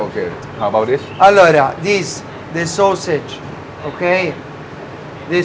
กลับกิน